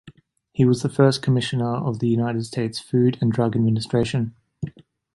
He was the first commissioner of the United States Food and Drug Administration.